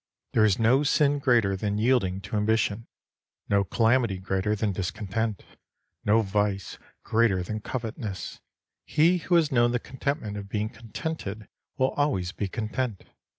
There is no sin greater than yielding to am bition ; no calamity greater than discontent ; no vice greater than covetousness. He who has known the contentment of being contented will always be content.